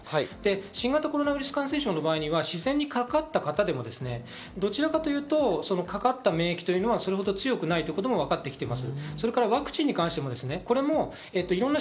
新型コロナウイルス感染症の場合には自然にかかった方でもどちらかというと、かかった免疫というのは、それほど強くないということも分かってきています。